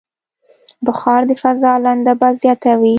بخار د فضا لندبل زیاتوي.